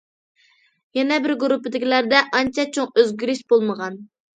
يەنە بىر گۇرۇپپىدىكىلەردە، ئانچە چوڭ ئۆزگىرىش بولمىغان.